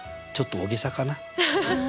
ちょっと大げさかな？